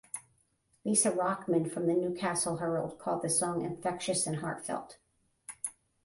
Lisa Rockman from The Newcastle Herald called the song "infectious and heartfelt".